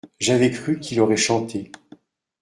J’avais cru qu’il aurait chanté.